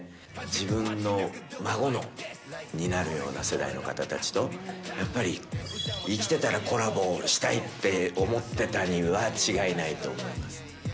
自分の孫になるような世代の方たちと、やっぱり生きてたらコラボしたいって思ってたには違いないと思います。